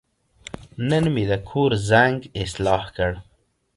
نن مې د کور زنګ اصلاح کړ.